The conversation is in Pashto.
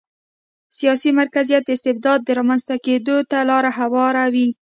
سیاسي مرکزیت د استبداد رامنځته کېدو ته لار هواروي.